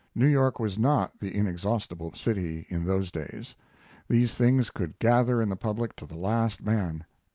New York was not the inexhaustible city in those days; these things could gather in the public to the last man.